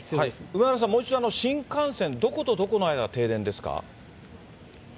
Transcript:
梅原さん、もう一度、新幹線のどことどこの間が停電ですか？